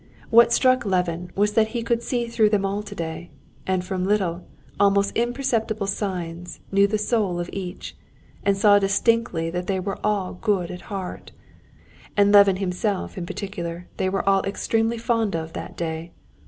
What struck Levin was that he could see through them all today, and from little, almost imperceptible signs knew the soul of each, and saw distinctly that they were all good at heart. And Levin himself in particular they were all extremely fond of that day.